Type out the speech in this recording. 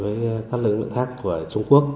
với bộ đội với các lực lượng khác của trung quốc